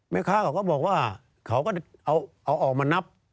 แม่ค้าเขาก็บอกว่าเขาก็เอาออกมานับ